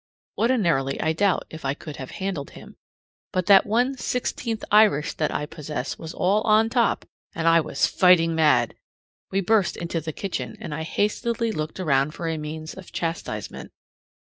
Ordinarily I doubt if I could have handled him, but that one sixteenth Irish that I possess was all on top, and I was fighting mad. We burst into the kitchen, and I hastily looked about for a means of chastisement.